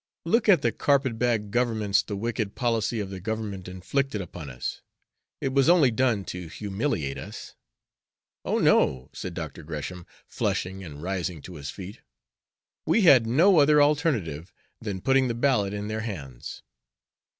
Look at the carpet bag governments the wicked policy of the Government inflicted upon us. It was only done to humiliate us." "Oh, no!" said Dr. Gresham, flushing, and rising to his feet. "We had no other alternative than putting the ballot in their hands."